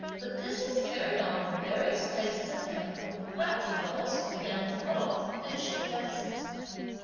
The business, carried on in various different places in the capital, gradually also began to fall off and to show a deficit.